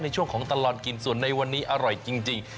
ในช่วงของตลอดกินส่วนในวันนี้อร่อยจริง